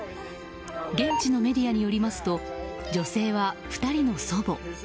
現地のメディアによりますと女性は２人の祖母。